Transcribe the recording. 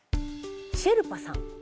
シェルパさん。